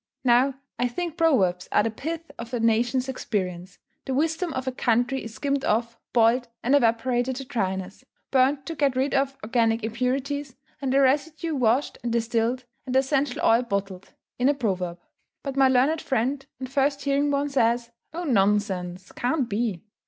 Now, I think proverbs are the pith of a nation's experience: the wisdom of a country is skimmed off, boiled, evaporated to dryness, burned to get rid of organic impurities, and the residue washed and distilled, and the essential oil bottled in a proverb. But my learned friend, on first hearing one, says, "Oh, nonsense! Can't be."